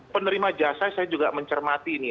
penerima jasa saya juga mencermati ini